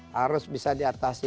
harus bisa diatasi